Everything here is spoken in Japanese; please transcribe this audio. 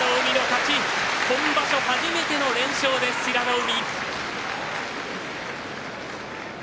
今場所初めての連勝です、平戸海。